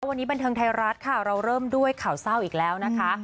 วันนี้บันเทิงไทยรัฐค่ะเราเริ่มด้วยข่าวเศร้าอีกแล้วนะคะ